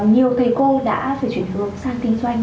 nhiều thầy cô đã phải chuyển hướng sang kinh doanh